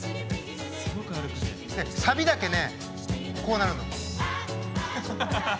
でサビだけねこうなるの。